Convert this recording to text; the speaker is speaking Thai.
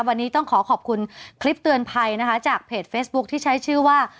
วันนี้ต้องขอขอบคุณคลิปเตือนภัยนะคะจากเพจเฟซบุ๊คที่ใช้ชื่อว่า